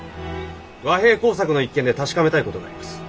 和平工作の一件で確かめたい事があります。